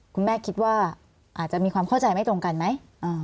คุณแม่คิดว่าอาจจะมีความเข้าใจไม่ตรงกันไหม